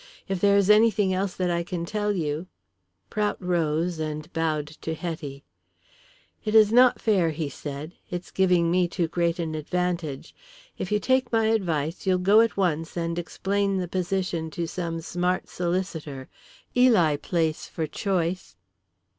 If there is anything else that I can tell you " Prout rose and bowed to Hetty. "It's not fair, sir," he said. "It's giving me too great an advantage. If you take my advice, you'll go at once and explain the position to some smart solicitor Ely Place for choice."